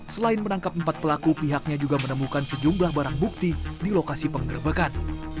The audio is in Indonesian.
selain menangkap empat pelaku pihaknya juga menemukan sejumlah barang bukti di lokasi penggerbekan